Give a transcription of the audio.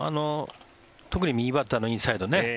特に右バッターのインサイドね。